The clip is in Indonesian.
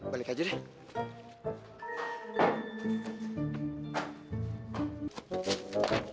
balik aja deh